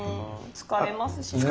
疲れますよね。